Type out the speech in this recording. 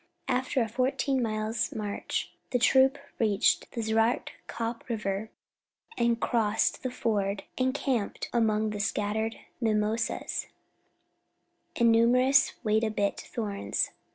After a fourteen miles' march the troop reached the Zwart Kop river, and, crossing the ford, encamped among the scattered mimosas and numerous wait a bit thorns.